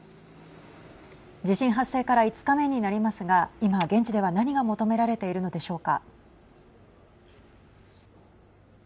地震発生から５日目になりますが今現地では、何が求められているのでしょうか。